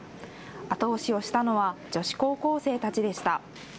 後押しをしたのは女子高校生たちでした。